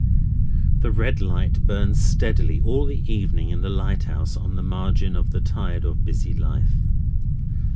The red light burns steadily all the evening in the lighthouse on the margin of the tide of busy life.